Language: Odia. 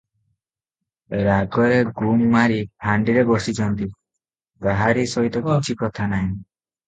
ରାଗରେ ଗୁମ୍ ମାରି ଫାଣ୍ଡିରେ ବସିଛନ୍ତି, କାହାରି ସହିତ କିଛି କଥା ନାହିଁ ।